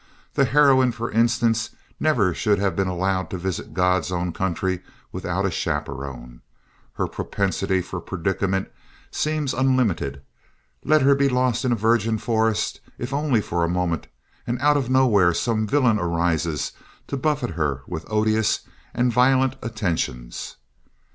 The heroine, for instance, never should have been allowed to visit God's own country without a chaperon. Her propensity for predicament seems unlimited. Let her be lost in a virgin forest, if only for a moment, and out of the nowhere some villain arises to buffet her with odious and violent attentions.